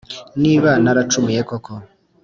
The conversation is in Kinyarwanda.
niba naracumuye koko,